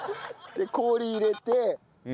氷入れて。